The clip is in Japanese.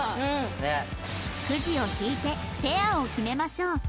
クジを引いてペアを決めましょう